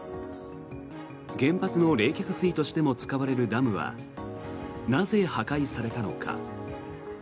原発の冷却水としても使われるダムはなぜ、破壊されたのか。